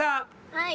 はい。